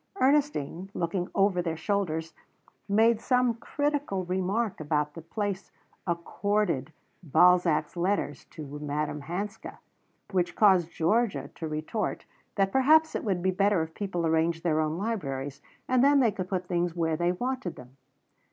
Ernestine, looking over their shoulders, made some critical remark about the place accorded Balzac's letters to Madam Hanska, which caused Georgia to retort that perhaps it would be better if people arranged their own libraries, and then they could put things where they wanted them.